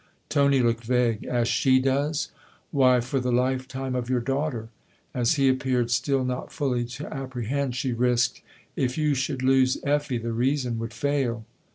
Tony looked vague. "As she does ?"" Why, for the lifetime of your daughter." As he appeared still not fully to apprehend, she risked :" If you should lose Effie the reason would fail."